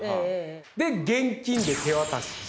で現金で手渡しして。